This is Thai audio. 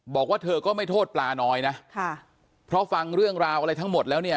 บอกว่าเธอก็ไม่โทษปลาน้อยนะค่ะเพราะฟังเรื่องราวอะไรทั้งหมดแล้วเนี่ย